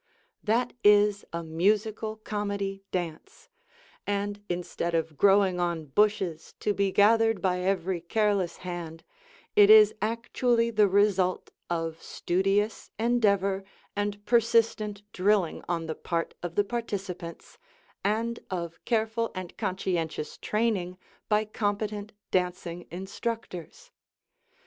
That is a Musical Comedy dance, and instead of growing on bushes to be gathered by every careless hand, it is actually the result of studious endeavor and persistent drilling on the part of the participants, and of careful and conscientious training by competent dancing instructors.